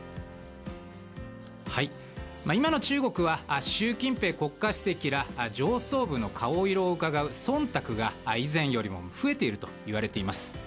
今の中国は習近平国家主席ら上層部の顔色をうかがう忖度が以前よりも増えているといわれています。